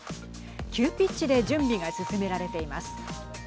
急ピッチで準備が進められています。